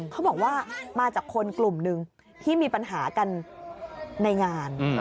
เขาบอกว่ามาจากคนกลุ่มหนึ่งที่มีปัญหากันในงาน